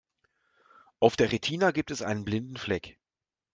Auf der Retina gibt es einen blinden Fleck.